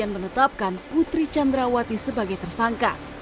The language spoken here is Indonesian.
kepolisian menetapkan putri cendrawati sebagai tersangka